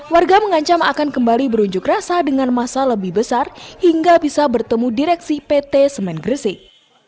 warga mengancam akan kembali berunjuk rasa dengan masa lebih besar hingga bisa bertemu direksi pt semen gresik